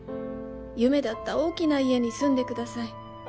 「夢だった大きな家に住んでください」